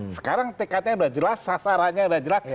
sekarang tekatnya udah jelas sasarannya udah jelas